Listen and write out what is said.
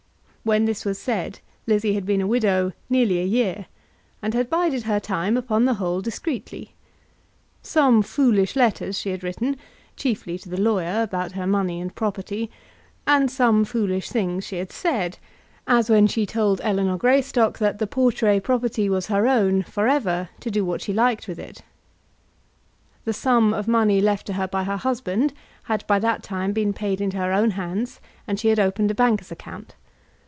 When this was said Lizzie had been a widow nearly a year, and had bided her time upon the whole discreetly. Some foolish letters she had written, chiefly to the lawyer about her money and property; and some foolish things she had said, as when she told Ellinor Greystock that the Portray property was her own for ever, to do what she liked with it. The sum of money left to her by her husband had by that time been paid into her own hands, and she had opened a banker's account.